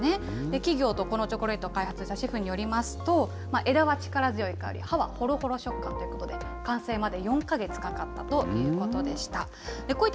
企業とこのチョコレートを開発したシェフによりますと、枝は力強い香り、葉はほろほろ食感ということで、完成まで４か月かかったということでした。